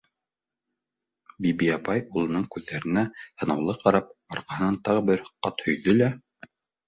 Биби апай, улының күҙҙәренә һынаулы ҡарап, арҡаһынан тағы бер ҡат һөйҙө лә: